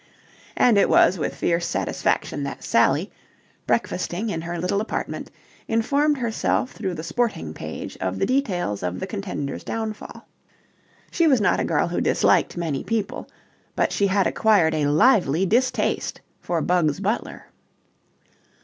And it was with fierce satisfaction that Sally, breakfasting in her little apartment, informed herself through the sporting page of the details of the contender's downfall. She was not a girl who disliked many people, but she had acquired a lively distaste for Bugs Butler.